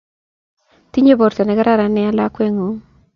Tinye porto ne kararan nea lakweng'ung'